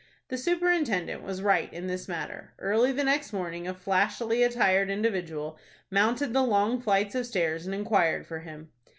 The superintendent was right in this matter. Early the next morning, a flashily attired individual mounted the long flights of stairs, and inquired for him.